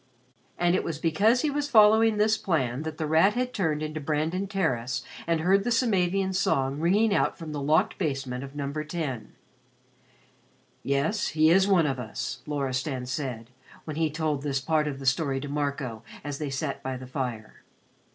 And it was because he was following this plan that The Rat had turned into Brandon Terrace and heard the Samavian song ringing out from the locked basement of Number 10. "Yes, he is one of us," Loristan said, when he told this part of the story to Marco as they sat by the fire.